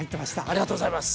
ありがとうございます。